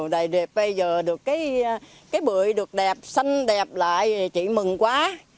bây giờ được cái bưởi được đẹp xanh đẹp lại chị mừng quá